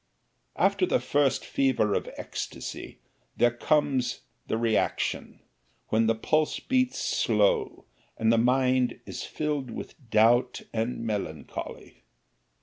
After the first fever of ecstasy there comes the reaction, when the pulse beats slow and the mind is filled with doubt and melancholy.